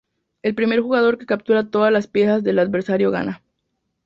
El primer jugador que captura todas las piezas del adversario gana.